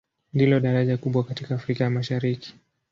Ndilo daraja kubwa katika Afrika ya Mashariki.